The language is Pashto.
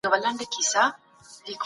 څېړنه یوازې د پخوانیو کتابونو لټول نه دي.